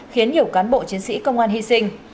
chính sĩ công an hy sinh